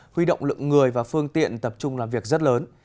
huy động lượng người và phương tiện tập trung làm việc rất lớn